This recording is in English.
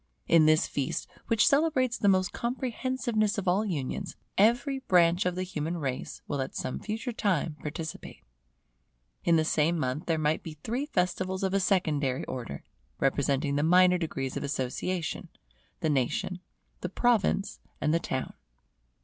In this feast, which celebrates the most comprehensiveness of all unions, every branch of the human race will at some future time participate. In the same month there might be three festivals of a secondary order, representing the minor degrees of association, the Nation, the Province, and the Town.